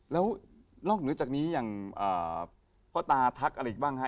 แล้วนอกเหนือจากนี้อย่างพ่อตาทักอะไรอีกบ้างฮะ